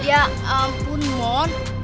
ya ampun mon